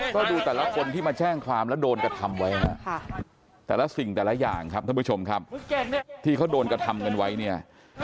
ก็ดูแต่ละคนที่มาแช่งความและโดนกระทำไว้แต่ละสิ่งแต่ละอย่างที่เค้าโดนกระทำไว้เนี่ย